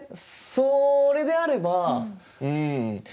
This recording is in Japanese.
それであればうん。